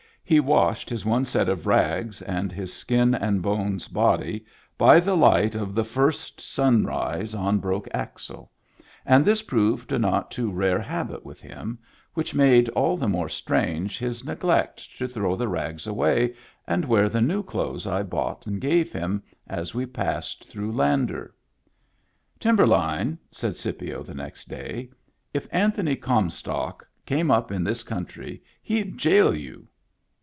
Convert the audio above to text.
He washed his one set of rags, and his skin and bones body, by the light of the first sun Digitized by Google I40 MEMBERS OF THE FAMILY rise on Broke Axle, and this proved a not too rare habit with him, which made all the more strange his neglect to throw the rags away and wear the new clothes I bought and gave him as we passed through Lander. " Timberline," said Scipio the next day, "if Anthony Comstock came up in this country he'd jail you."